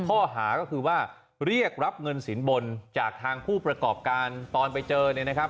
ข้อหาก็คือว่าเรียกรับเงินสินบนจากทางผู้ประกอบการตอนไปเจอเนี่ยนะครับ